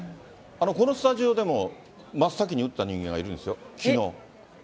このスタジオでも真っ先に打った人間がいるんですよ、きのう。